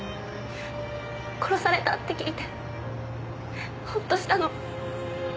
殺されたって聞いてホッとしたの。